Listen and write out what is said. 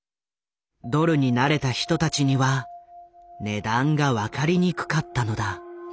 ドルになれた人たちには値段が分かりにくかったのだ。